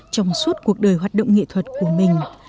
trong suốt cuộc đời hoạt động nghệ thuật của mình